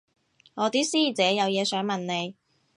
我啲師姐有嘢想問你